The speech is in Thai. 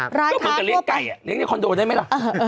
ก็เหมือนกับเลี้ยงไก่เลี้ยในคอนโดได้ไหมล่ะ